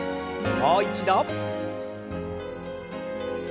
もう一度。